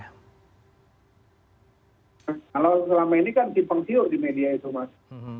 kalau selama ini kan simpang siur di media itu mas